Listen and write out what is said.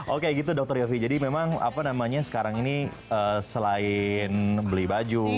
oke gitu dokter yofi jadi memang apa namanya sekarang ini selain beli baju